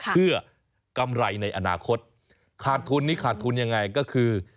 เพื่อกำไรในอนาคตขาดทุนนี้ขาดทุนยังไงก็คือ